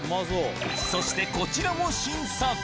そしてこちらも新作。